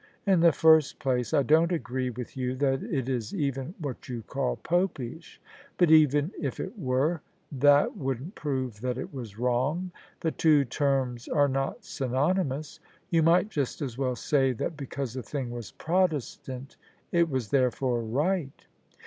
In the first place I don't agree with you that it is even what you call Popish: but even if it were, that wouldn't prove that it was wrong. The two terms are not synonymous. You might just as well say that because a thing was Protestant it was therefore right."